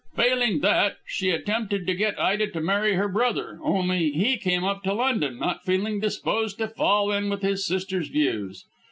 Failing that, she attempted to get Ida to marry her brother, only he came up to London, not feeling disposed to fall in with his sister's views.